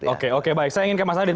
oke oke baik saya ingin ke mas adit